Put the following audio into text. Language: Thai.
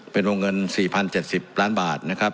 เป็นวงเงิน๔๐๗๐ล้านบาทนะครับ